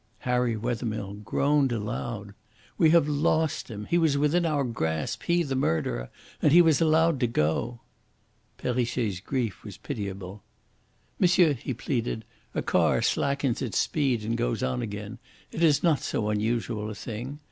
Harry Wethermill groaned aloud. "We have lost him. He was within our grasp he, the murderer! and he was allowed to go!" Perrichet's grief was pitiable. "Monsieur," he pleaded, "a car slackens its speed and goes on again it is not so unusual a thing.